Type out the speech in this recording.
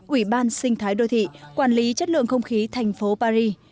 ủy ban sinh thái đô thị quản lý chất lượng không khí thành phố paris